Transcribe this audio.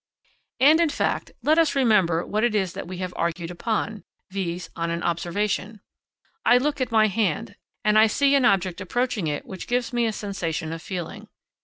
And, in fact, let us remember what it is that we have argued upon viz. on an observation. I look at my hand, and I see an object approaching it which gives me a sensation of feeling.